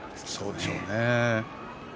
そうでしょうね。